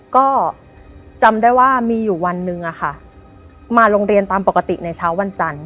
ก็จำได้ว่ามีอยู่วันหนึ่งอะค่ะมาโรงเรียนตามปกติในเช้าวันจันทร์